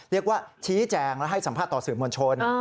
เรียกว่าชี้แจงและให้สัมภาษณ์ต่อสื่อมวลชน